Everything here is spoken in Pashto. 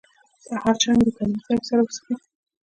د سهار چای مو د کریمي صیب سره وڅښه.